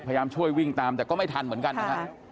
พยายามช่วยวิ่งตามแต่ก็ไม่ทันเหมือนกันนะฮะ